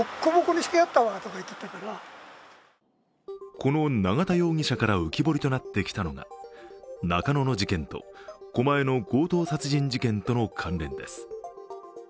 この永田容疑者から浮き彫りとなってきたのが中野の事件と狛江の強盗殺人事件との関連です。